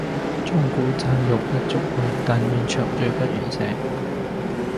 鐘鼓饌玉不足貴，但願長醉不願醒